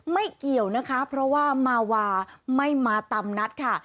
เกี่ยวนะคะเพราะว่ามาวาไม่มาตามนัดค่ะ